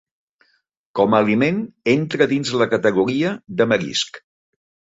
Com aliment entra dins la categoria de marisc.